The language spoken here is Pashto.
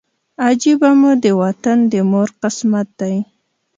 عجیبه مو د وطن د مور قسمت دی